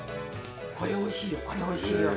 これおいしいよ